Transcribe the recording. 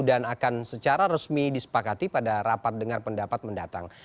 dan akan secara resmi disepakati pada rapat dengar pendapat mendatang